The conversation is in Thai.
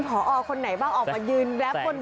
มันเป็นผอคนไหนบ้างออกมายืนแรปบนเวอร์ที